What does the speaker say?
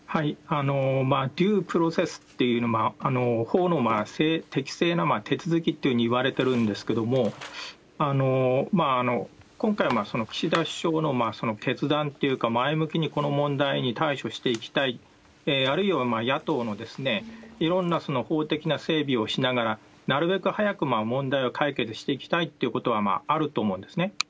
デュープロセスという、法の適正な手続きというふうにいわれてるんですけれども、今回、岸田首相の決断っていうか、前向きにこの問題に対処していきたい、あるいは野党のいろんな法的な整備をしながら、なるべく早く問題を解決していきたいということはあると思うんですね。